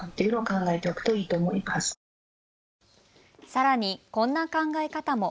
さらに、こんな考え方も。